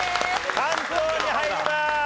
関東に入ります！